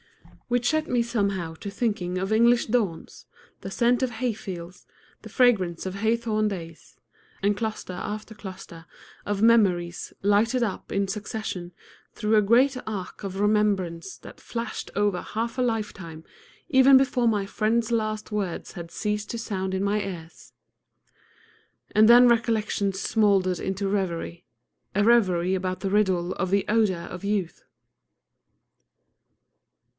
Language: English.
Which set me somehow to thinking of English dawns, the scent of hayfields, the fragrance of hawthorn days; and cluster after cluster of memories lighted up in succession through a great arc of remembrance that flashed over half a lifetime even before my friend's last words had ceased to sound in my ears. And then recollection smouldered into revery, a revery about the riddle of the odor of youth.